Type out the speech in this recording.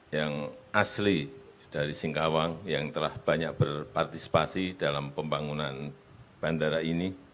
yang asli dari singkawang yang telah banyak berpartisipasi dalam pembangunan bandara ini